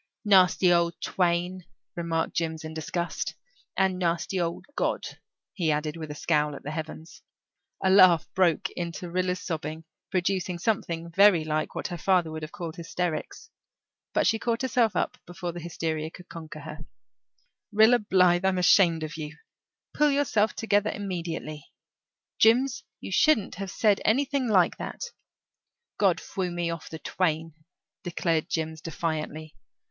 "Nasty old twain," remarked Jims in disgust. "And nasty old God," he added, with a scowl at the heavens. A laugh broke into Rilla's sobbing, producing something very like what her father would have called hysterics. But she caught herself up before the hysteria could conquer her. "Rilla Blythe, I'm ashamed of you. Pull yourself together immediately. Jims, you shouldn't have said anything like that." "God frew me off the twain," declared Jims defiantly.